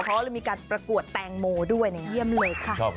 เขาเลยมีการประกวดแตงโมด้วยในเยี่ยมเลยค่ะ